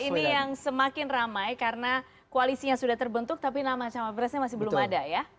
ini juga ini yang semakin ramai karena koalisinya sudah terbentuk tapi nama nama presnya masih belum ada ya